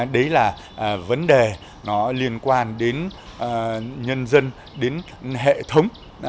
đấy là vấn đề nó liên quan đến nhân dân đến hệ thống